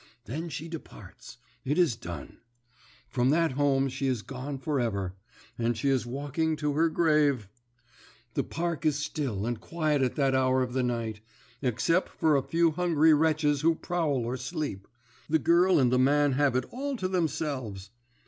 Then she departs. It is done. From that home she is gone for ever, and she is walking to her grave! The park is still and quiet at that hour of the night; excep for a few hungry wretches who prowl or sleep, the girl and the man have it all to themselves.